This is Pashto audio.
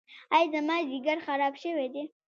ایا زما ځیګر خراب شوی دی؟